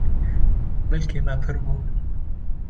milkê me pirbû